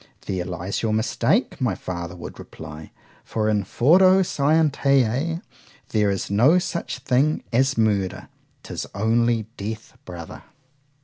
——There lies your mistake, my father would reply;——for, in Foro Scientiæ there is no such thing as MURDER,——'tis only DEATH, brother.